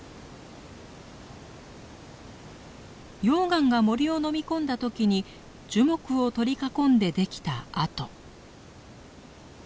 溶岩が森をのみ込んだ時に樹木を取り囲んでできた跡。